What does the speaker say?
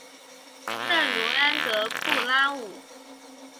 圣茹安德布拉武。